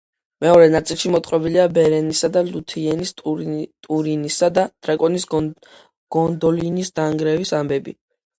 მეორე ნაწილში მოთხრობილია ბერენისა და ლუთიენის, ტურინისა და დრაკონის, გონდოლინის დანგრევის ამბები.